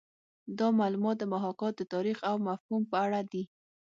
دا معلومات د محاکات د تاریخ او مفهوم په اړه دي